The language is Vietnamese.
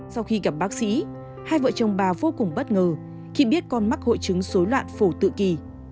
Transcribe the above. sau khi gặp bác sĩ hai vợ chồng bà vô cùng bất ngờ khi biết con mắc hội chứng dối loạn phổ tự kỳ